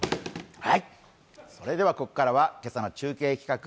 それでは、ここからは今朝の中継企画。